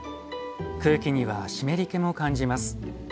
空気には湿り気も感じます。